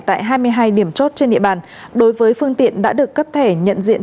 tại hai mươi hai điểm chốt trên địa bàn đối với phương tiện đã được cấp thẻ nhận diện